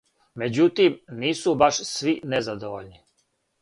Међутим, нису баш сви незадовољни.